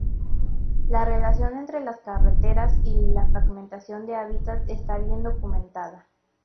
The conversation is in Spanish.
La relación entre las carreteras y la fragmentación de hábitat está bien documentada.